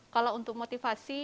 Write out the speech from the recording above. kalau untuk motivasi